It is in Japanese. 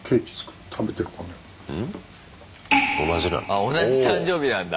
あ同じ誕生日なんだ。